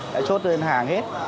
đã chốt lên hàng hết